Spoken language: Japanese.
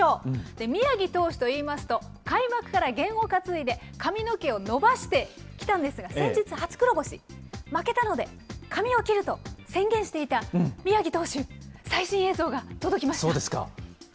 宮城投手といいますと、開幕から験を担いで、髪の毛を伸ばしてきたんですが、先日初黒星、負けたので、髪を切ると宣言していた宮城投手、最新映像が届きました。